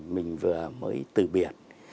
mình vừa mới từ biệt